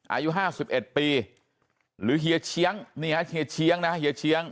อายุ๕๑ปีหรือเฮียเชียงนี่ฮะเฮียเชียงนะเฮียเชียง